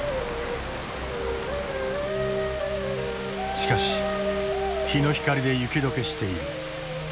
しかし日の光で雪融けしている。